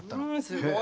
すごい。